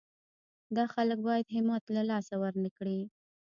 دا خلک باید همت له لاسه ورنه کړي.